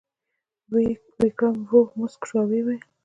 ویکرم ورو موسک شو او وویل: